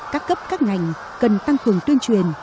các cấp các ngành cần tăng cường tuyên truyền